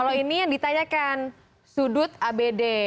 kalau ini yang ditanyakan sudut abd